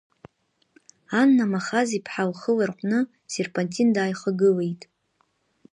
Анна Махаз-иԥҳа лхы ларҟәны Серпантин дааихагылеит.